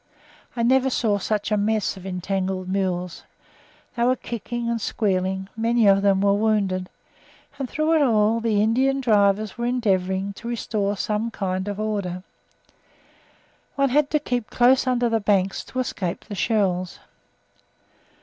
I never saw such a mess of entangled mules; they were kicking and squealing, many of them were wounded, and through it all the Indian drivers were endeavouring to restore some kind of order. One had to keep close under the banks to escape the shells.